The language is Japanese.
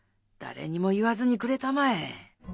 だれにも言わずにくれたまえ。